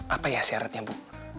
apa ya syaratnya bu